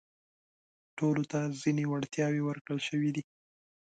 ټولو ته ځينې وړتياوې ورکړل شوي دي.